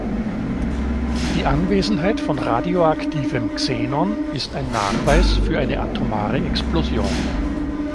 Die Anwesenheit von radioaktivem Xenon ist ein Nachweis für eine atomare Explosion.